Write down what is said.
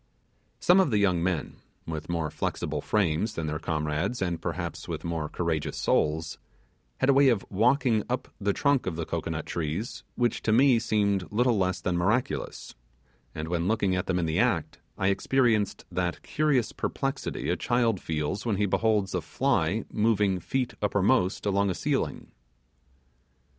Some of the young men, with more flexible frames than their comrades, and perhaps with more courageous souls, had a way of walking up the trunk of the cocoanut trees which to me seemed little less than miraculous; and when looking at them in the act, I experienced that curious perplexity a child feels when he beholds a fly moving feet uppermost along a ceiling.